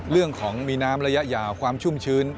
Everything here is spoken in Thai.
เรื่องของมีน้ำระยะยาวความชุ่มชื้น